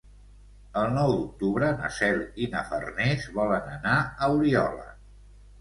El nou d'octubre na Cel i na Farners volen anar a Oriola.